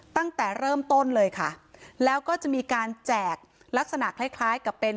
ตั้งแต่เริ่มต้นเลยค่ะแล้วก็จะมีการแจกลักษณะคล้ายคล้ายกับเป็น